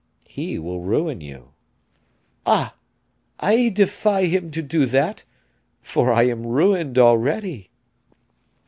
"He will ruin you." "Ah! I defy him to do that, for I am ruined already."